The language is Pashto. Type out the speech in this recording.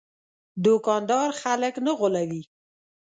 دوکاندار خلک نه غولوي.